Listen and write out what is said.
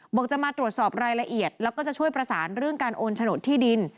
บอกจะมาตรวจสอบรายละเอียดแล้วก็จะช่วยประสานเรื่องการโอนโฉนดที่ดิน